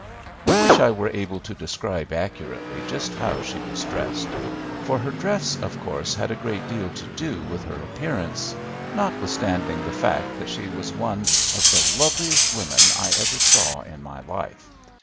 I wish I were able to describe accurately just how she was dressed; for her dress, of course, had a great deal to do with her appearance, notwithstanding the fact that she was one of the loveliest women I ever saw in my life.